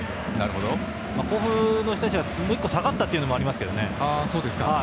甲府の人たちが１つ下がったというのもありますけどね。